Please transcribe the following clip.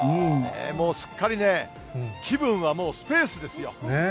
もうすっかりね、気分はもうスペースですよ。